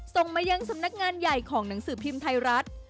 ส่งมายังสำนักงานใหญ่ของหนังสือพิมพ์ไทยรัฐ